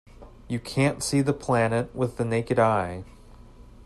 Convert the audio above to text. You can't see the planet with the naked eye.